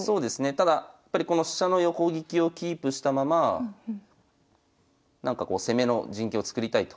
ただこの飛車の横利きをキープしたままなんかこう攻めの陣形を作りたいと。